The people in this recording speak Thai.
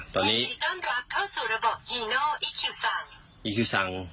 ตอนนี้ต้องรับเข้าสู่ระบบฮีโนอีคิวซัง